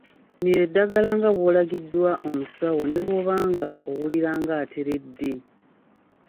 Mira eddagala nga bw'olagiddwa omusawo ne bw'oba nga owulira nga ateredde.